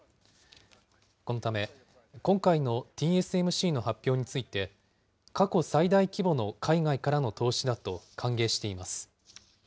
このため、今回のＴＳＭＣの発表について、過去最大規模の海外からの投資だと歓迎しています。